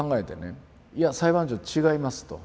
「いや裁判長違います」と。